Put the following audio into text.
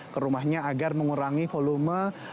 ke rumahnya agar mengurangi volume